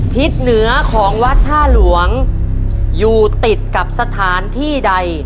ทิศเหนือของวัดท่าหลวงอยู่ติดกับสถานที่ใด